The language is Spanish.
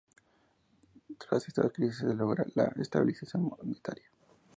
Tras esta crisis, se logra la estabilización monetaria.